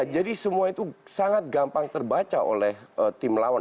jadi semua itu sangat gampang terbaca oleh tim lawan